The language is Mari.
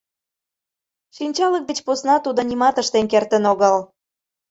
Шинчалык деч посна тудо нимат ыштен кертын огыл.